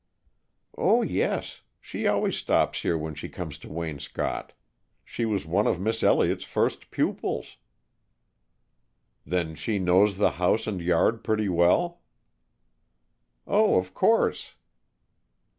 "Oh, yes. She always stops here when she comes to Waynscott. She was one of Miss Elliott's first pupils." "Then she knows the house and yard, pretty well?" "Oh, of course."